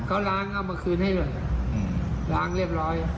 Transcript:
เขาล้างเอามาคืนให้เลยล้างเรียบร้อย